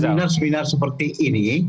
seminar seminar seperti ini